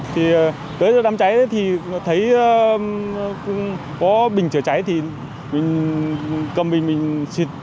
thì tới giờ đám cháy thì thấy có bình chữa cháy thì mình cầm bình mình xịt